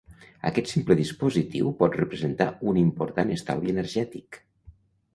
Aquest simple dispositiu pot representar un important estalvi energètic.